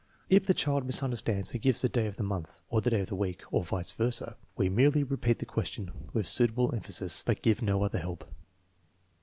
If the child misunderstands and gives the day of the month for the day of the week, or vice versa, we merely re peat the question with suitable emphasis, but give no other help.